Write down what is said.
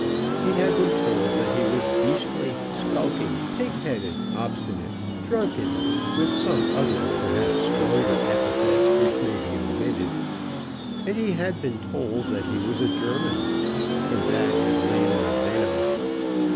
He had been told that he was beastly, skulking, pig headed, obstinate, drunken, with some other perhaps stronger epithets which may be omitted, and he had been told that he was a German. In that had lain the venom.